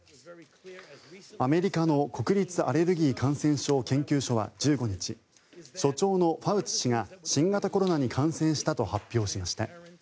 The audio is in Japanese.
アメリカの国立アレルギー・感染症研究所は１５日所長のファウチ氏が新型コロナに感染したと発表しました。